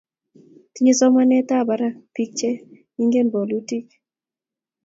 tinyei somanetab barak biik che ingen bolutik